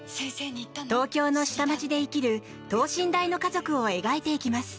東京の下町で生きる等身大の家族を描いていきます。